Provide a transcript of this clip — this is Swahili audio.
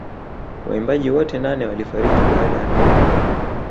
Waimbaji wote nane walifariki baada ya meli kuzama